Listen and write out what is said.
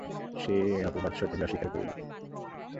সে এই অপবাদ সতেজে অস্বীকার করিল।